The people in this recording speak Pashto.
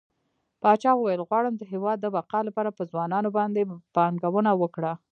پاچا وويل غواړم د هيواد د بقا لپاره په ځوانانو باندې پانګونه وکړه.